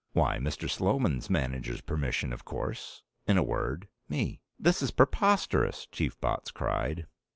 "Why, Mr. Sloman's manager's permission, of course. In a word, me." "This is preposterous!" Chief Botts cried.